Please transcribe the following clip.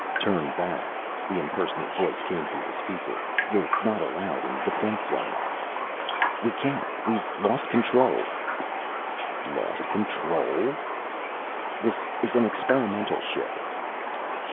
"Turn back," the impersonal voice came through the speaker. "You're not allowed in the defense zone." "We can't. We've lost control." "Lost control?" "This is an experimental ship."